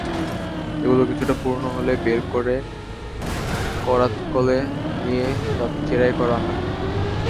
এগুলো কিছুটা পুরোনো হলে বের করে করাতকলে নিয়ে চেরাই করা হয়।